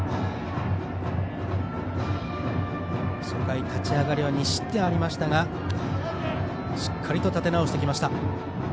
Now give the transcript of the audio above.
初回、立ち上がりは２失点しましたがしっかりと立て直してきました。